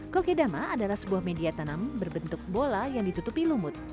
kokedama adalah sebuah media tanam berbentuk bola yang ditutupi lumut